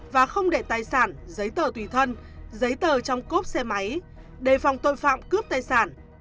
và không để tài sản giấy tờ tùy thân giấy tờ trong cốp xe máy đề phòng tội phạm cướp tài sản